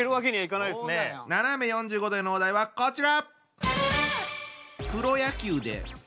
ななめ４５°へのお題はこちら！